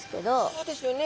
そうですよね。